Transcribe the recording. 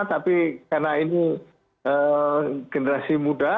tapi karena ini generasi muda